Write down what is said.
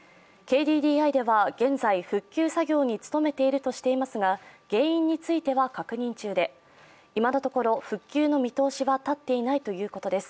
ＫＤＤＩでは現在復旧作業に努めているとしていますが原因については確認中で今のところ復旧の見通しは立っていないということです。